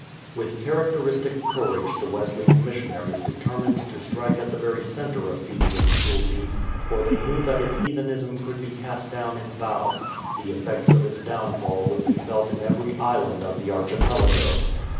With characteristic courage the Wesleyan missionaries determined to strike at the very centre of Fijian cruelty, for they knew that if heathenism could be cast down in Bau, the effects of its downfall would be felt in every island of the archipelago.